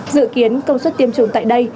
dự kiến công suất tiêm chủng tại đây